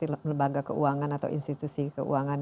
lembaga keuangan atau institusi keuangan